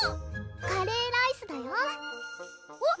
カレーライスだよえっ？